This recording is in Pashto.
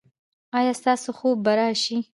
ایا ستاسو خوب به راشي؟